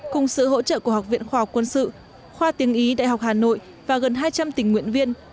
cùng sự hỗ trợ của học viện khoa học quân sự khoa tiếng ý đại học hà nội và gần hai trăm linh tình nguyện viên